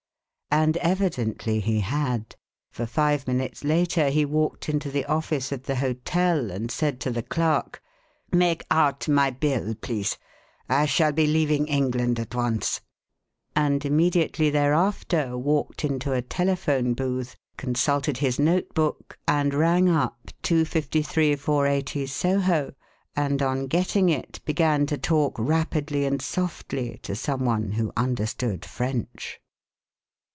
And evidently he had; for five minutes later he walked into the office of the hotel, and said to the clerk, "Make out my bill, please I shall be leaving England at once," and immediately thereafter walked into a telephone booth, consulted his notebook, and rang up 253480 Soho, and, on getting it, began to talk rapidly and softly to some one who understood French.